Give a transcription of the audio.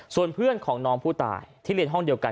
ส่วนเพื่อนของน้องผู้ตายที่เรียนห้องเดียวกัน